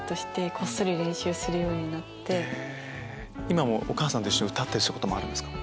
今お母さんと一緒に歌うこともあるんですか？